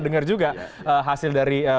dengar juga hasil dari